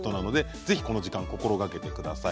ぜひこの時間、心がけてください。